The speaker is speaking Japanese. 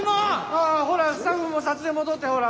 ああほらスタッフも撮影戻ってほら。